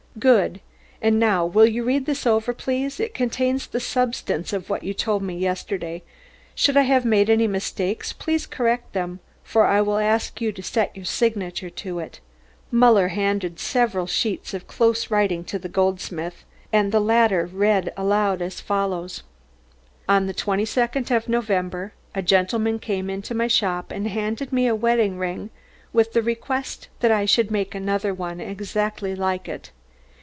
"Good. And now will you read this over please, it contains the substance of what you told me yesterday. Should I have made any mistakes, please correct them, for I will ask you to set your signature to it." Muller handed several sheets of close writing to the goldsmith and the latter read aloud as follows: "On the 22nd of November, a gentleman came into my shop and handed me a wedding ring with the request that I should make another one exactly like it.